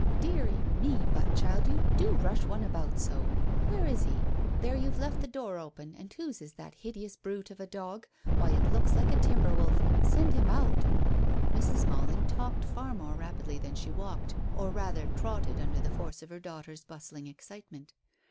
"Dearie me, but, child, you do rush one about so. Where is he? There, you've left the door open; and whose is that hideous brute of a dog? Why, it looks like a timber wolf. Send him out." Mrs. Malling talked far more rapidly than she walked, or rather trotted, under the force of her daughter's bustling excitement.